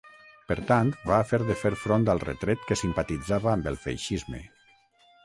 Per tant, va haver de fer front al retret que simpatitzava amb el feixisme.